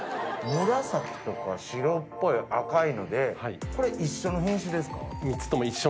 紫とか白っぽい赤いのでこれ一緒の品種ですか？